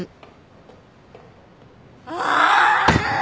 ああ！